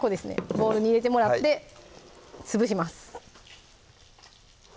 ボウルに入れてもらってはい潰します